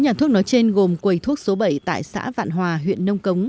bốn nhà thuốc nói trên gồm quầy thuốc số bảy tại xã vạn hòa huyện nông cống